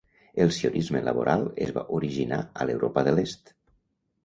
El sionisme laboral es va originar a l'Europa de l'Est.